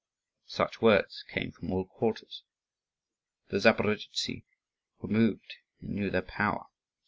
Such words came from all quarters. The Zaporozhtzi were moved, and knew their power.